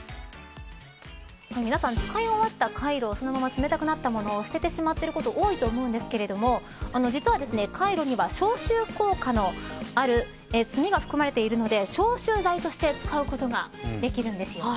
皆さん使い終わったカイロを冷たくなったまま捨てる方が多いと思いますが実は、カイロには消臭効果のある炭が含まれているので消臭剤として使うことができるんです。